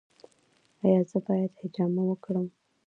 ایا زه باید حجامت وکړم؟